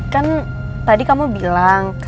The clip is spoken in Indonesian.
kan tadi kamu bilang kesayanganmu ya kan